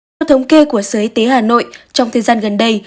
theo thống kê của sở y tế hà nội trong thời gian gần đây